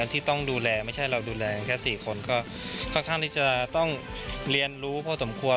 ที่ต้องดูแลไม่ใช่เราดูแลแค่๔คนก็ค่อนข้างที่จะต้องเรียนรู้พอสมควร